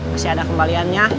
masih ada kembaliannya